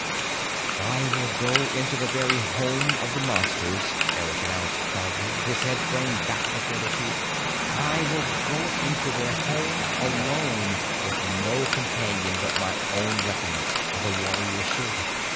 "I will go into the very home of the Monsters," Eric announced proudly, his head thrown back before the chief. "I will go into their home alone, with no companion but my own weapons, as a warrior should.